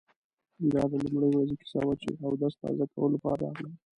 دا د لومړۍ ورځې کیسه وه چې اودس تازه کولو لپاره راغلم.